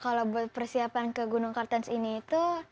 kalau buat persiapan ke gunung kartens ini itu